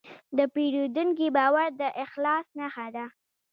د پیرودونکي باور د اخلاص نښه ده.